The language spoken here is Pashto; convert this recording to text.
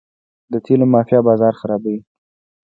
د تیلو مافیا بازار خرابوي.